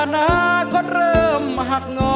นาก็เริ่มหักงอ